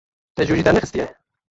Te jûjî dernexistiye?